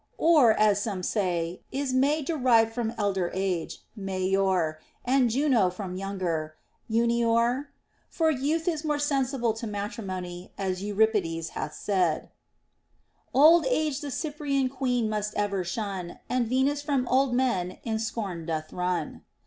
Or, as some say, is May derived from elder age (maior) and Juno from younger ( innior) ? For youth is more suitable to matri mony, as Euripides hath said, Old age the Cyprian queen must ever shun, And Venus from old men in scorn doth run.